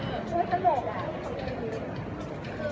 มันเป็นสิ่งที่จะให้ทุกคนรู้สึกว่า